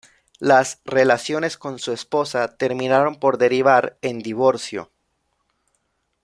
Las relaciones con su esposa terminaron por derivar en divorcio.